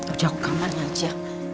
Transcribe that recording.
udah aku ke kamarnya aja